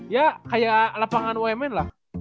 ya kayak lapangan umn lah